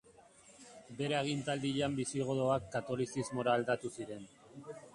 Bere agintaldian bisigodoak katolizismora aldatu ziren.